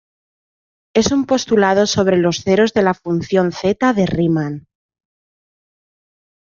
Es un postulado sobre los ceros de la función zeta de Riemann.